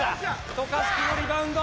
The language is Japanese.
渡嘉敷のリバウンド。